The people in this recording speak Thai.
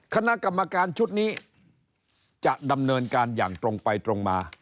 คณะกรรมการชุดนี้จะดำเนินการอย่างตรงไปตรงมา